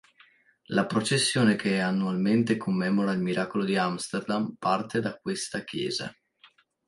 La processione che annualmente commemora il miracolo di Amsterdam parte da questa chiesa.